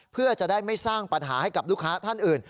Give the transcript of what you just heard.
เพื่อจะได้ไม่สร้างปัญหาให้กับลูกค้าท่านอื่น